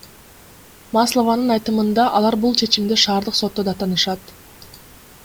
Маслованын айтымында, алар бул чечимди шаардык сотто даттанышат.